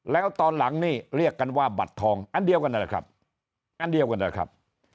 แล้วตอนหลังนี้เรียกกันว่าบัตรทองอันเดียวกันแหละครับ